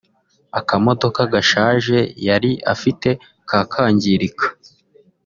akamodoka gashaje yari afite kakangirika